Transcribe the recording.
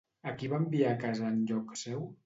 A qui va enviar a casa en lloc seu?